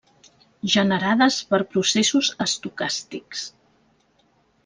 Generades per processos estocàstics.